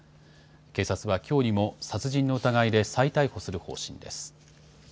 警察はきょうにも殺人の疑いで再逮捕する方針です。